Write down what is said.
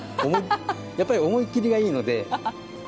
やっぱり思い切りがいいので。